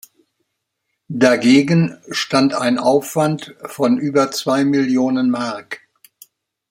Dagegen stand ein Aufwand von über zwei Millionen Mark.